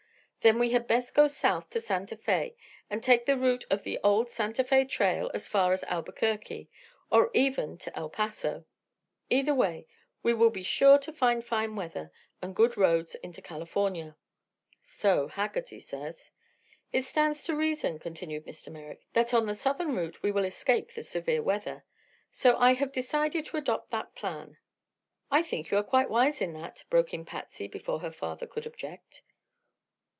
"Then we had best go south to Santa Fe and take the route of the old Santa Fe Trail as far as Albuquerque, or even to El Paso. Either way we will be sure to find fine weather, and good roads into California." "So Haggerty says." "It stands to reason," continued Mr. Merrick, "that on the Southern route we will escape the severe weather. So I have decided to adopt that plan." "I think you are quite wise in that," broke in Patsy, before her father could object.